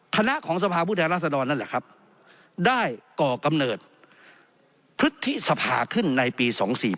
คณะของสภาพผู้แทนราษฎรนั่นแหละครับได้ก่อกำเนิดพฤษภาขึ้นในปี๒๔๘